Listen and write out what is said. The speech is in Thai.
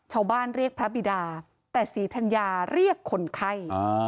ชาวบ้านเรียกพระบิดาแต่ศรีธัญญาเรียกคนไข้